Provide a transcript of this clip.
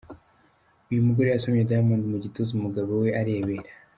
Uyu mugore yasomye Diamond mu gituza umugabo we arebera.